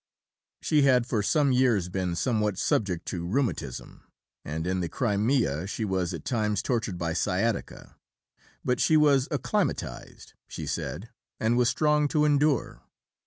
She had for some years been somewhat subject to rheumatism, and in the Crimea she was at times tortured by sciatica. But she was "acclimatised," she said, and was strong to endure.